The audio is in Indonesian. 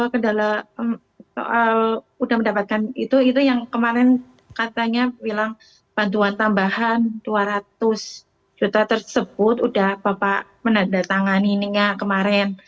kalau soal sudah mendapatkan itu itu yang kemarin katanya bantuan tambahan dua ratus juta tersebut sudah bapak menandatangani kemarin